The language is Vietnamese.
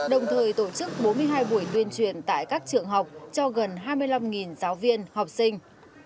đồng thời tổ chức bốn mươi hai buổi tuyên truyền tại các trường học cho gần hai mươi năm giáo viên học sinh